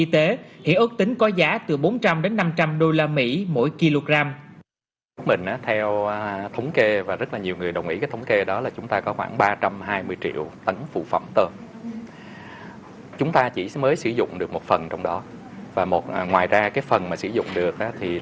thực tế đối với mình